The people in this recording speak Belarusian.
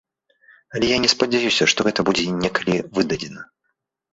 Але я не спадзяюся, што гэта будзе некалі выдадзена.